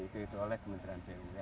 itu itu oleh kementerian pu ya